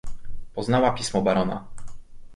"Poznała pismo barona."